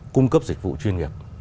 cung cấp dịch vụ chuyên nghiệp